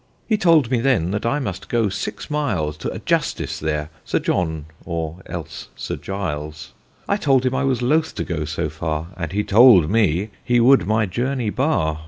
He told me then that I must goe sixe miles T' a Justice there, Sir John or else Sir Giles: I told him I was lothe to goe so farre, And he told me he would my journey barre.